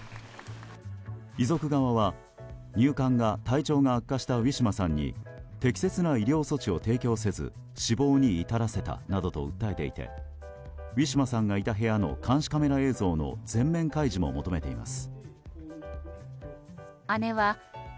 遺族側は入管が体調が悪化したウィシュマさんに適切な医療措置を提供せず死亡に至らせたなどと訴えていてウィシュマさんがいた部屋の監視カメラ映像の全面開示も求めています。